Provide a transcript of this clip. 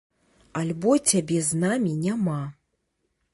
Альбо цябе з намі няма.